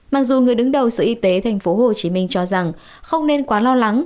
mặc dù người đứng đầu sở y tế tp hcm cho rằng không nên quá lo lắng